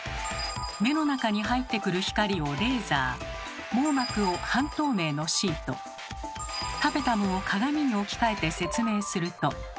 目の中に入ってくる光をレーザー網膜を半透明のシートタペタムを鏡に置き換えて説明すると。